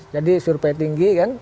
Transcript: jadi surupaya tinggi kan